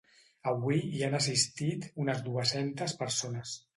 Avui hi han assistit unes dues-centes persones.